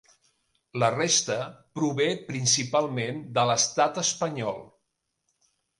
La resta prové principalment de l'Estat espanyol.